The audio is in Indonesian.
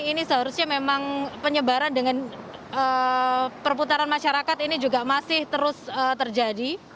ini seharusnya memang penyebaran dengan perputaran masyarakat ini juga masih terus terjadi